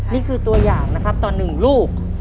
นี่คือตัวอย่างนะครับต่อ๑ลูก